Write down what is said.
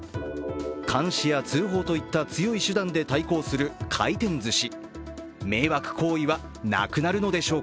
監視や通報といった強い手段で対抗する回転ずし。